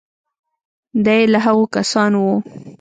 دی له هغو کسانو و.